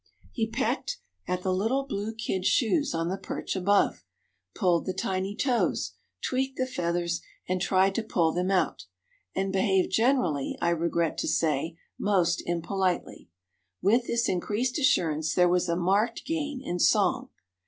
He pecked at the little blue kid shoes on the perch above, pulled the tiny toes, tweaked the feathers and tried to pull them out, and behaved generally, I regret to say, most impolitely. With this increased assurance there was a marked gain in song.